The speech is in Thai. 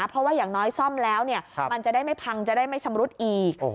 เพราะว่าอย่างน้อยซ่อมแล้วมันจะได้ไม่พังจะได้ไม่ชำรุดอีก